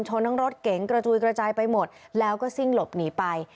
ทั้งรถเก๋งกระจุยกระจายไปหมดแล้วก็ซิ่งหลบหนีไป